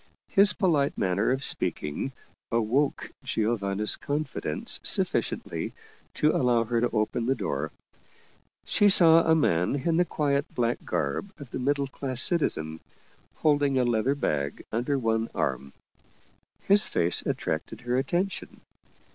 His polite manner of speaking awoke Giovanna's confidence sufficiently to allow her to open the door. She saw a man in the quiet black garb of the middle class citizen, holding a leather bag under one arm. His face attracted her attention.